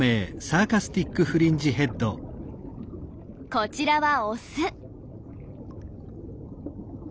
こちらはオス。